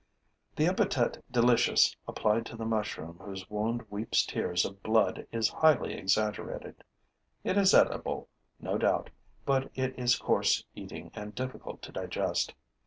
The epithet 'delicious' applied to the mushroom whose wound weeps tears of blood is highly exaggerated. It is edible, no doubt, but it is coarse eating and difficult to digest.